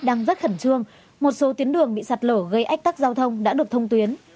đang rất khẩn trương một số tuyến đường bị sạt lở gây ách tắc giao thông đã được thông tuyến